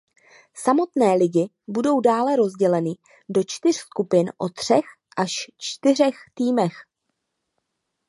Samotné ligy budou dále rozděleny do čtyř skupin o třech až čtyřech týmech.